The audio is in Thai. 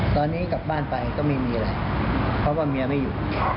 ตอนนี้กลับบ้านไปก็ไม่มีอะไรเพราะว่าเมียไม่อยู่